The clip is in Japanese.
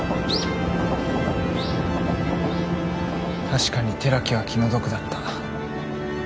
確かに寺木は気の毒だった。